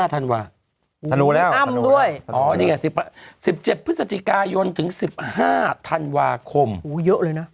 ๑๕ธันวาธันวาอ๋อนี่ไง๑๗พฤศจิกายนถึง๑๕ธันวาคมเยอะเลยนะ